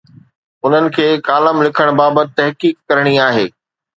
انهن کي ڪالم لکڻ بابت تحقيق ڪرڻي آهي.